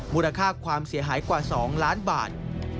มูลค่าความเสียหายกว่า๒ล้านบาท